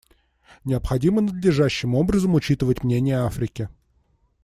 Необходимо надлежащим образом учитывать мнение Африки.